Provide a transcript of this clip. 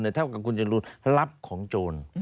เท่ากับคุณจรูนรับของโจร